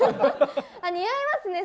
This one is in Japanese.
似合いますね！